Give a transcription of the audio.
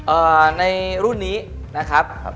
ในรุ่นนี้นะครับครับ